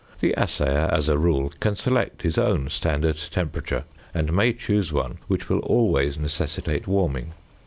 The assayer, as a rule, can select his own standard temperature, and may choose one which will always necessitate warming.